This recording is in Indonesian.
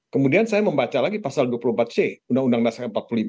kemudian saya membaca lagi pasal dua puluh empat c undang undang dasar empat puluh lima